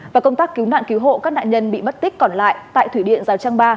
và công tác cứu nạn cứu hộ các nạn nhân bị mất tích còn lại tại thủy điện rào trang ba